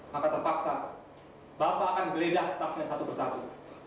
maka terpaksa bapak akan geledah tasnya satu persatu